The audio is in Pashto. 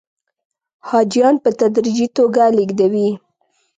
حاجیان په تدریجي توګه لېږدوي.